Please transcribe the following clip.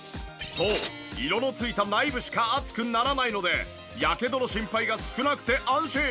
そう色の付いた内部しか熱くならないのでヤケドの心配が少なくて安心。